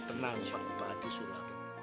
tenang pak haji surat itu